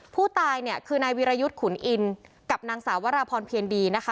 ผู้ตายเนี่ยคือนายวิรยุทธ์ขุนอินกับนางสาววราพรเพียรดีนะคะ